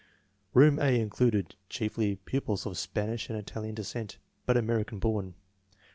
Room A included chiefly pupils of Spanish and Italian descent, but American born.